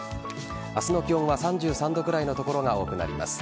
明日の気温は３３度くらいの所が多くなります。